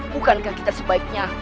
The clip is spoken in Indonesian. bukankah kita sebaiknya